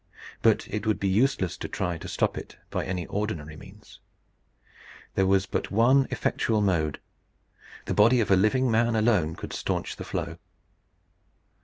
But it would be useless to try to stop it by any ordinary means. There was but one effectual mode. The body of a living man could alone stanch the flow.